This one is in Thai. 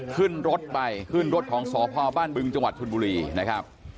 ขึ้นรถไปขึ้นรถของสพบ้านบึงจังหวัดชนบุรีนะครับ